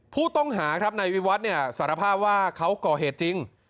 ผู้ต้องหาครับนายวิวัฒน์เนี่ยสารภาพว่าเขาก่อเหตุจริง